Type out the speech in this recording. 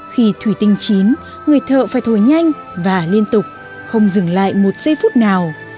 khi thủy tinh chín người thợ phải thổi nhanh và liên tục không dừng lại một giây phút nào